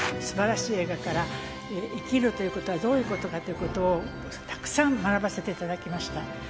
すばらしい映画から、生きるということはどういうことかということをたくさん学ばせていただきました。